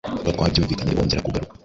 tuba twabyumvikanye ntibongera kugaruka